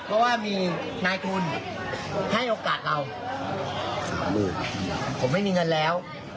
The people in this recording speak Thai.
เพราะว่ามีนายทุนให้โอกาสเราผมไม่มีเงินแล้ว